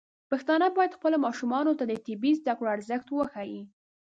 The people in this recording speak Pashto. پښتانه بايد خپلو ماشومانو ته د طبي زده کړو ارزښت وښيي.